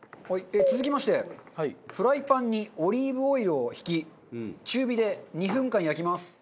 続きましてフライパンにオリーブオイルを引き中火で２分間焼きます。